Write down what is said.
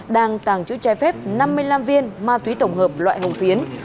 đang tàng trữ trái phép năm mươi năm viên ma túy tổng hợp loại hồng phiến